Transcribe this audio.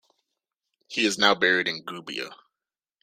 He is now buried in Gubbio.